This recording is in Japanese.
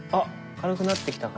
軽くなってきた？